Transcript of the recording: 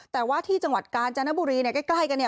แต่ว่าที่จังหวัดกาญจนบุรีใกล้กันเนี่ย